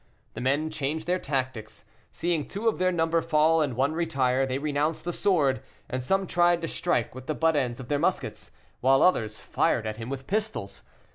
The men changed their tactics; seeing two of their number fall and one retire, they renounced the sword, and some tried to strike with the butt ends of their muskets, while others fired at him with pistols.